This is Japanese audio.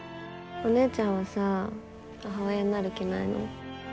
お姉ちゃんはさ母親になる気ないの？